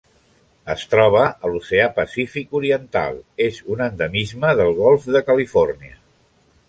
Es troba a l'Oceà Pacífic oriental: és un endemisme del Golf de Califòrnia.